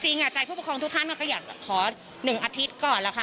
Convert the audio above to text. จริงใจผู้ปกครองทุกท่านก็อยากขอ๑อาทิตย์ก่อนแล้วค่ะ